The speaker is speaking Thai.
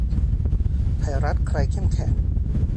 ไทยรัฐ ใครเข้มแข็ง